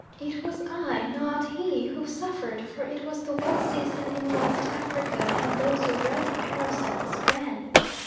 It was I, not he, who suffered, for it was the wet season in West Africa and those red parasols ran.